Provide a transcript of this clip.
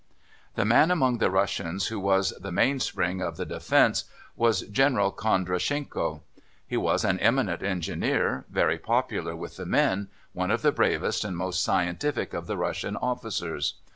The man among the Russians who was the mainspring of the defence was General Kondrachenko. He was an eminent engineer, very popular with the men, one of the bravest and most scientific of the Russian officers.